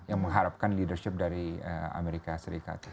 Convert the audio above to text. yang mengharapkan leadership dari amerika serikat